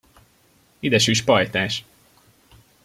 Ide süss, pajtás!